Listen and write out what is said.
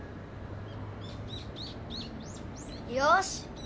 よし！